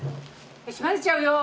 よし混ぜちゃうよ。